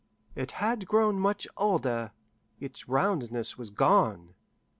It had grown much older; its roundness was gone.